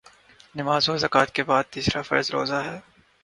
نماز اور زکوٰۃ کے بعدتیسرا فرض روزہ ہے